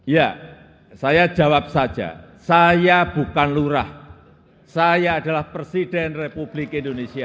ya saya jawab saja saya bukan lurah saya adalah presiden republik indonesia